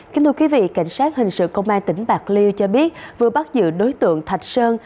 kính thưa quý vị cảnh sát hình sự công an tỉnh bạc liêu cho biết vừa bắt giữ đối tượng thạch sơn